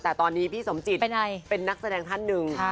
แต่ตอนนี้พี่สมจิตเป็นนักแสดงท่านหนึ่ง